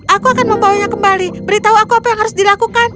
aku akan membawanya kembali beritahu aku apa yang harus dilakukan